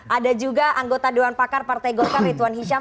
ada juga anggota dewan pakar partai golkar rituan hisyam